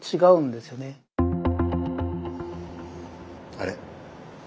あれ。